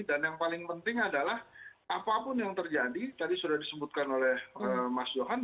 dan yang paling penting adalah apapun yang terjadi tadi sudah disebutkan oleh mas johan